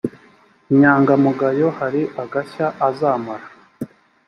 inyangamugayo hari agashya azamara